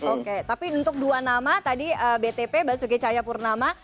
oke tapi untuk dua nama tadi btp basuki cahayapurnama